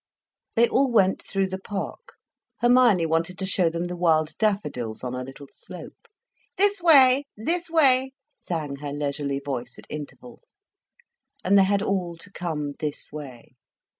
They all went through the park. Hermione wanted to show them the wild daffodils on a little slope. "This way, this way," sang her leisurely voice at intervals. And they had all to come this way.